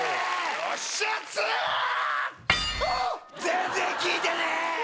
全然きいてねえ！